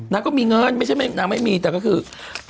นางก็มีเงินนางไม่มีแต่ก็คือ